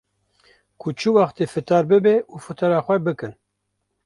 ku çi wextê fitar bibe û fitara xwe bikin.